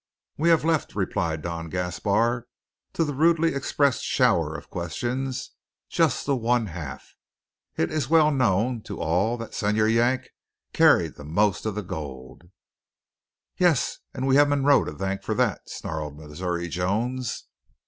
"We have left," replied Don Gaspar to the rudely expressed shower of questions, "just the one half. It is well known to all that Señor Yank carried the most of the gold." "Yes, and we have Munroe to thank for that," snarled Missouri Jones.